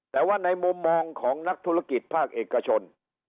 แต่ว่าในมุมมองของนักธุรกิจภาคเอกชน